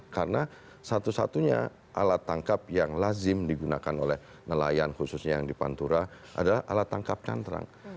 karena satu satunya alat tangkap yang lazim digunakan oleh nelayan khususnya yang dipantura adalah alat tangkap cantrang